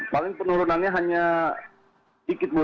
paling penurunannya hanya sedikit bu